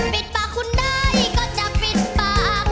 ปิดปากคุณได้ก็จะปิดปาก